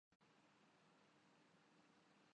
وہ سیاسی رومان کو مسترد کرتی ہے۔